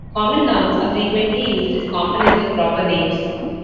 Common nouns are frequently used as components of proper names.